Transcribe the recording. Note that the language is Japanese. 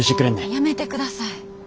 やめてください。